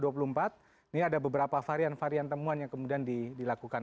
ini ada beberapa varian varian temuan yang kemudian dilakukan